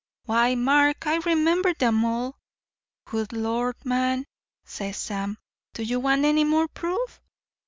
Why, Mark, I remember 'em all. Good lord, man,' says Sam, 'do you want any more proof?'